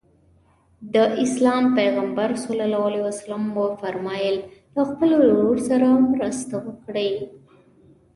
د اسلام پیغمبر ص وفرمایل له خپل ورور سره مرسته وکړئ.